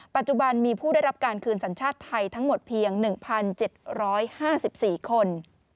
ปัจจุบันมีผู้ได้รับการคืนสัญชาติไทยทั้งหมดเพียง๑๗๕๔คน